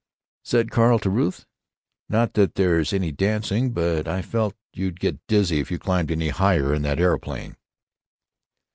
Said Carl to Ruth, "Not that there's any dancing, but I felt you'd get dizzy if you climbed any higher in that aeroplane."